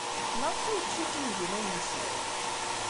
Maɣef ay ttcikkin deg yiman-nsen?